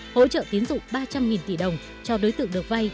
hỗ trợ tiến dụng ba trăm linh tỷ đồng cho đối tượng được vay